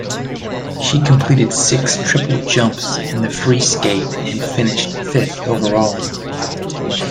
She completed six triple jumps in the free skate and finished fifth overall.